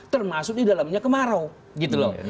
termasuk di dalamnya kemarau